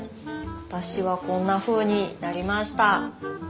私はこんなふうになりました。